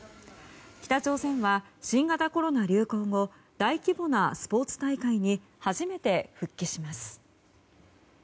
北朝鮮は新型コロナ流行後大規模なスポーツ大会に初めて復帰します。